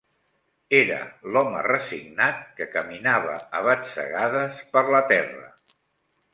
Era l'home resignat que caminava a batzegades per la terra